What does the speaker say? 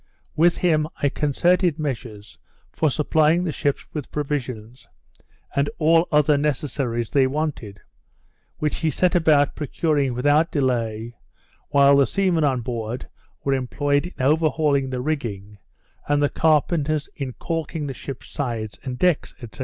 With him I concerted measures for supplying the ships with provisions, and all other necessaries they wanted; which he set about procuring without delay, while the seamen on board were employed in overhauling the rigging; and the carpenters in caulking the ships' sides and decks, &c.